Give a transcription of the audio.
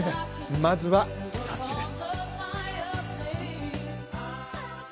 まずは、「ＳＡＳＵＫＥ」です。